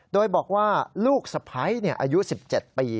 โดยบอกว่าลูกสะพ้ายอายุ๑๗ปี